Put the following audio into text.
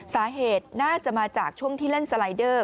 สาเหตุน่าจะมาจากช่วงที่เล่นสไลเดอร์